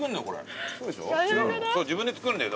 自分で作るんだよ。